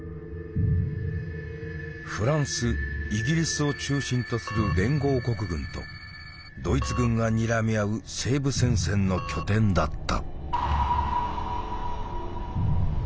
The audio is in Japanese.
フランス・イギリスを中心とする連合国軍とドイツ軍がにらみ合う西部戦線の拠点だった。